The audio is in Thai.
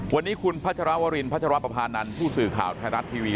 วันนี้คุณพัชรวรินพัชรปภานันทร์ผู้สื่อข่าวไทยรัฐทีวี